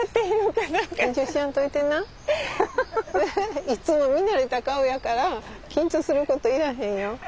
いつも見慣れた顔やから緊張することいらへんよ。